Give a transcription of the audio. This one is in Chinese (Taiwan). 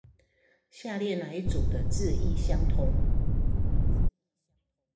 下列那一組的字義相同？